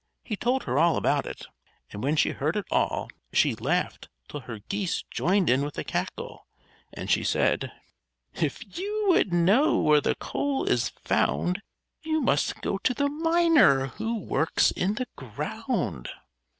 He told her all about it; and when she had heard it all, she laughed till her geese joined in with a cackle; and she said: "If you would know where the coal is found, You must go to the miner, who works in the ground."